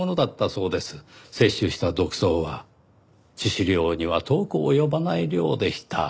摂取した毒草は致死量には遠く及ばない量でした。